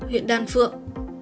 huyện đan phượng